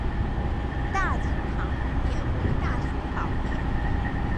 大经堂后面为大雄宝殿。